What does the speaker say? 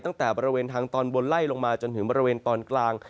ตั้งแต่บริเวณทางตอนบนไล่ลงมาจนถึงบริเวณตอนกลาง